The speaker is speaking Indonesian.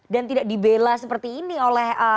dan tidak dibela seperti ini oleh